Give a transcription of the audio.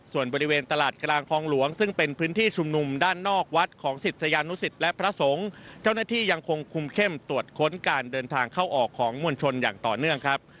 ส่วนบริเวณตลาดกลางคลองหลวงซึ่งเป็นพื้นที่ชุมนุมด้านนอกวัดของศิษยานุสิตและพระสงฆ์เจ้าหน้าที่ยังคงคุมเข้มตรวจค้นการเดินทางเข้าออกของมวลชนอย่างต่อเนื่องครับ